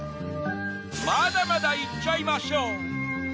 ［まだまだいっちゃいましょう！］